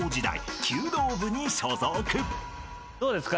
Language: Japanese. どうですか？